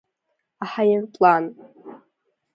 Аҳаирплан…